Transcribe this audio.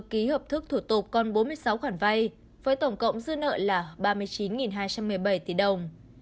ký hợp thức thủ tục còn bốn mươi sáu khoản vay với tổng cộng dư nợ là ba mươi chín hai trăm một mươi bảy tỷ đồng